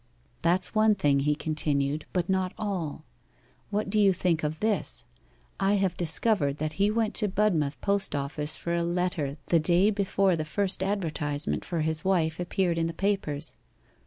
'That's one thing,' he continued, 'but not all. What do you think of this I have discovered that he went to Budmouth post office for a letter the day before the first advertisement for his wife appeared in the papers.